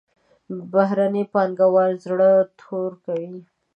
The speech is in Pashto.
بهرني پانګوال زړه تور کوي.